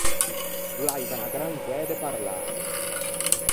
O l’aiva unna gran coæ de parlâghe.